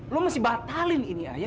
lo mesti batalin ini aja